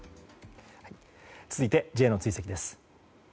続いて、Ｊの追跡です。